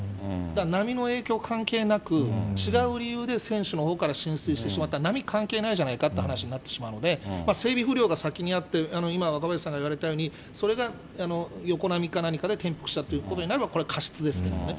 だから波の影響関係なく、違う理由で船首のほうから浸水してしまったら、波関係ないじゃないかって話になってしまうので、整備不良が先にあって、今、若林さんが言われたように、それが横波か何かで転覆したということになれば、これは過失ですけどね。